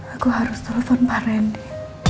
aku harus telepon pak rendy